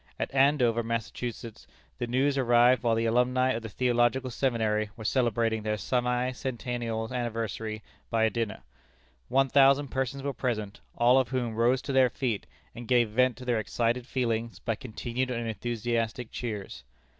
At Andover, Massachusetts, the news arrived while the Alumni of the Theological Seminary were celebrating their semi centennial anniversary by a dinner. One thousand persons were present, all of whom rose to their feet, and gave vent to their excited feelings by continued and enthusiastic cheers.